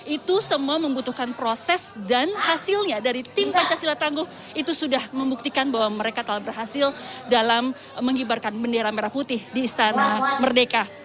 itu semua membutuhkan proses dan hasilnya dari tim pancasila tangguh itu sudah membuktikan bahwa mereka telah berhasil dalam mengibarkan bendera merah putih di istana merdeka